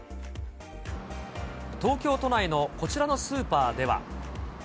東京都内のこちらのスーパーでは。